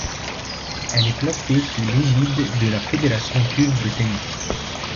Elle est placée sous l'égide de la Fédération turque de tennis.